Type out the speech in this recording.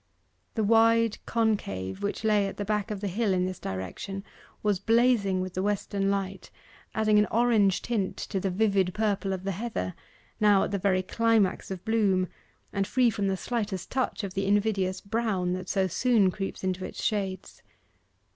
The wide concave which lay at the back of the hill in this direction was blazing with the western light, adding an orange tint to the vivid purple of the heather, now at the very climax of bloom, and free from the slightest touch of the invidious brown that so soon creeps into its shades.